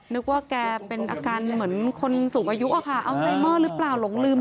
นึกว่าแกเป็นอาการเหมือนคนสูงอายุอะค่ะอัลไซเมอร์หรือเปล่าหลงลืม